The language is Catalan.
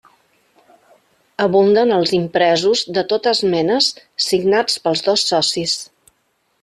Abunden els impresos de totes menes signats pels dos socis.